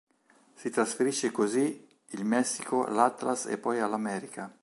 Si trasferisce così in Messico all'Atlas e poi all'América.